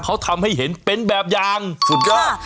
เขาทำให้เห็นเป็นแบบอย่างสุดยอด